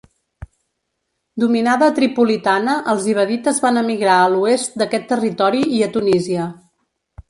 Dominada Tripolitana els ibadites van emigrar a l'oest d'aquest territori i a Tunísia.